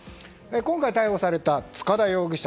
今回逮捕された塚田容疑者。